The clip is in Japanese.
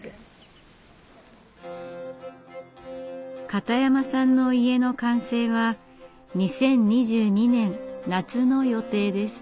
片山さんの家の完成は２０２２年夏の予定です。